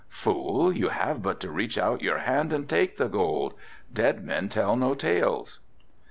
Fool, you have but to reach out your hand and take the gold. Dead men tell no tales."